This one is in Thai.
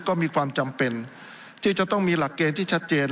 ก็มีความจำเป็นที่จะต้องมีหลักเกณฑ์ที่ชัดเจน